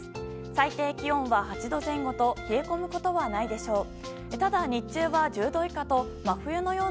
最低気温は８度前後と冷え込むことはないでしょう。